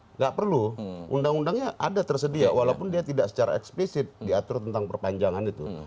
tidak perlu undang undangnya ada tersedia walaupun dia tidak secara eksplisit diatur tentang perpanjangan itu